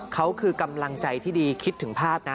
เขาคือกำลังใจที่ดีคิดถึงภาพนะ